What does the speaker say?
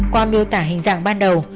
qua miêu tả hình dạng ban đầu